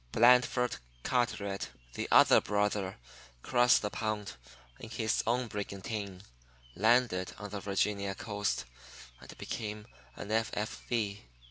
Blandford Carteret, the other brother, crossed the pond in his own brigantine, landed on the Virginia coast, and became an F.F.